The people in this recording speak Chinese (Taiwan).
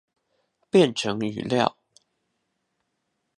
變成語料